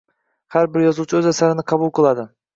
Har bir yozuvchi o’z asarini qabul qiladi.